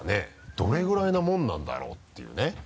どれぐらいのもんなんだろうていうね。